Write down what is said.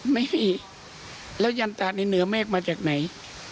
ไม่มีแล้วยันตะในเหนือเมฆมาจากไหน